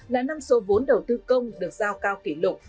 là năm số vốn đầu tư công được giao cao kỷ lục